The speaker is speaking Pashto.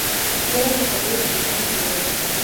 کله چې څلور سپوږمۍ پوره شي.